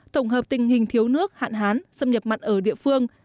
tổng hợp tình hình thiếu nước hạn hán xâm nhập mặn ở địa phương